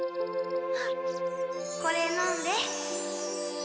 これ飲んで。